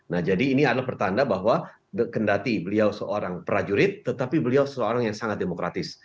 nah jadi ini adalah pertanda bahwa kendati beliau seorang prajurit tetapi beliau seorang yang sangat demokratis